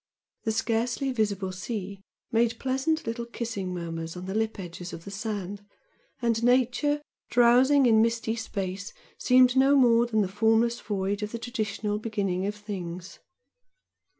The scarcely visible sea made pleasant little kissing murmurs on the lip edges of the sand, and Nature, drowsing in misty space, seemed no more than the formless void of the traditional beginning of things.